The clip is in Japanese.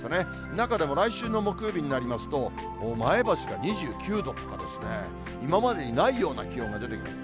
中でも来週の木曜日になりますと、前橋が２９度とかですね、今までにないような気温が出てきます。